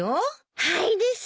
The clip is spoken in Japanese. はいです！